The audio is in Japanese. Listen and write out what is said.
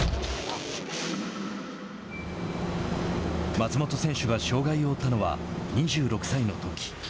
松元選手が障害を負ったのは２６歳のとき。